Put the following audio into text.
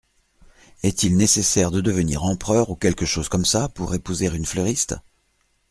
Est-il nécessaire de devenir empereur, ou quelque chose comme ça, pour épouser une fleuriste ?